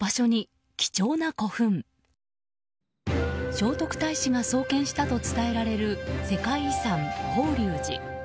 聖徳太子が創建したと伝えられる世界遺産・法隆寺。